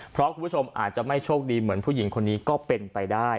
เพราะคุณผู้ชมอาจจะไม่โชคดีเหมือนผู้หญิงคนนี้ก็เป็นไปได้